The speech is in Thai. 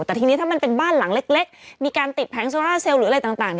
แต่ทีนี้ถ้ามันเป็นบ้านหลังเล็กมีการติดแผงโซล่าเซลล์หรืออะไรต่าง